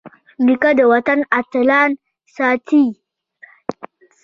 نیکه د وطن اتلان ستايي.